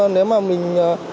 nếu mà mình